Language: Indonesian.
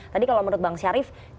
tadi kalau menurut bang syarif